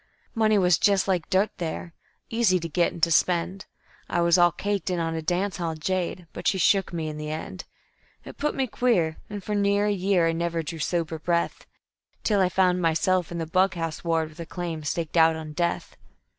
"Money was just like dirt there, easy to get and to spend. I was all caked in on a dance hall jade, but she shook me in the end. It put me queer, and for near a year I never drew sober breath, Till I found myself in the bughouse ward with a claim staked out on death.